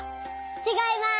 ちがいます。